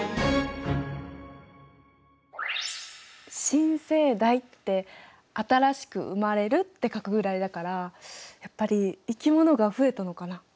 新生代って「新しく生まれる」って書くぐらいだからやっぱり生き物が増えたのかな。